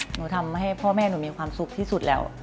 หนูทำให้พ่อแม่หนูมีความสุขที่สุดแล้ว